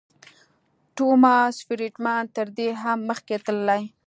ټوماس فریډمن تر دې هم مخکې تللی.